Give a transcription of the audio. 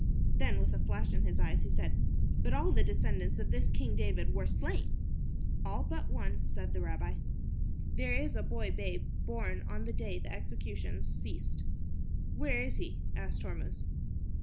Then, with a flash in his eye he said, "But all the descendants of this King David were slain." "All but one," said the rabbi. "There is a boy babe, born on the day the executions ceased." "Where is he?" asked Hormuz.